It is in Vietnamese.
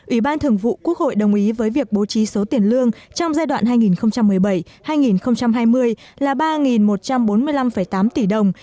ủy ban thường vụ quốc hội đồng ý với việc bố trí số tiền lương trong giai đoạn hai nghìn một mươi bảy hai nghìn hai mươi là ba một trăm bốn mươi năm tám tỷ đồng